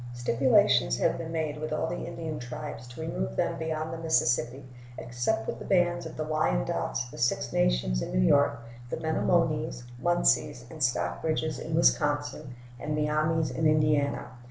Stipulations have been made with all the Indian tribes to remove them beyond the Mississippi, except with the bands of the Wyandots, the Six Nations in New York, the Menomonees, Munsees, and Stockbridges in Wisconsin, and Miamies in Indiana.